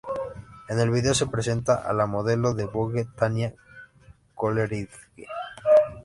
En el video se presenta a la modelo de Vogue Tania Coleridge.